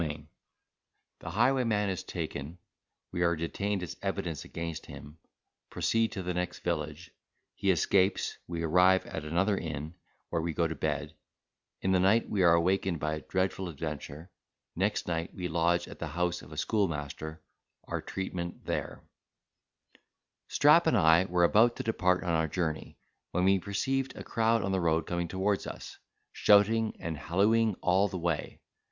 CHAPTER X The Highwayman is taken—we are detained as Evidence against him—proceed to the next village—he escapes—we arrive at another inn, where we go to Bed—in the Night we are awaked by a dreadful Adventure—next night we lodge at the house of a Schoolmaster—our Treatment there Strap and I were about to depart on our journey, when we perceived a crowd on the road coming towards us, shouting and hallooing all the way.